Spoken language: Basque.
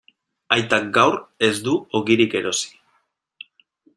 Aitak gaur ez du ogirik erosi.